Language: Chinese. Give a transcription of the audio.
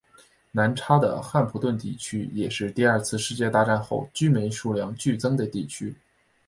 南叉的汉普顿地区也是第二次世界大战后居民数量剧增的地区。